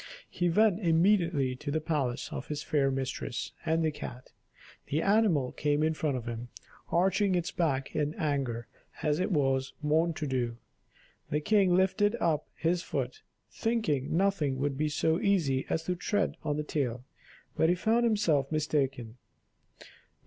He went immediately to the palace of his fair mistress and the cat; the animal came in front of him, arching its back in anger as it was wont to do. The king lifted up his foot, thinking nothing would be so easy as to tread on the tail, but he found himself mistaken.